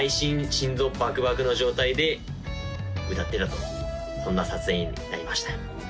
心臓バクバクの状態で歌ってたとそんな撮影になりました